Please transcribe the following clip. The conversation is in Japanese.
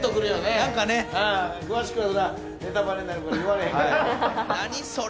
何かね詳しくはネタバレになるから言われへんけど何それ！